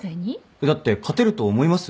えっだって勝てると思います？